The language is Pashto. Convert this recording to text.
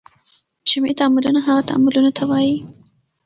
جمعي تعاملونه هغه تعاملونو ته وایي.